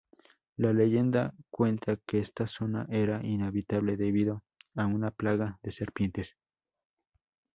La leyenda cuenta que esta zona era inhabitable debido a una plaga de serpientes.